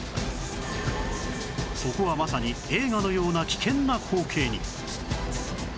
そこはまさに映画のような危険な光景に